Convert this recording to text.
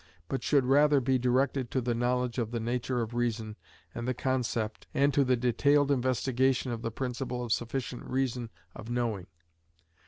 but should rather be directed to the knowledge of the nature of reason and the concept, and to the detailed investigation of the principle of sufficient reason of knowing.